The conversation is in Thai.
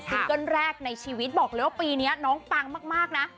เกิ้ลแรกในชีวิตบอกเลยว่าปีนี้น้องปังมากนะ